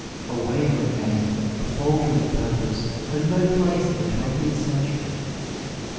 A wavering aim, a faltering purpose, has no place in the twentieth century.